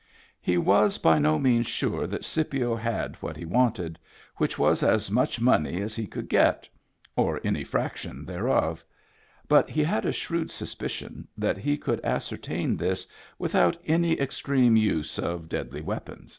He was by no means sure that Scipio had what he wanted, which was as much money as he could get, or any fraction thereof; but he had a shrewd suspicion that he could ascertain this without any extreme use of deadly weapons.